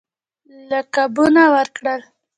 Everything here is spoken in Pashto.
لقبونه ورکړل.